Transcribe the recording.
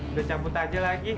udah cabut aja lagi